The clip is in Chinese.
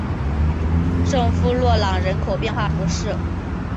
圣夫洛朗人口变化图示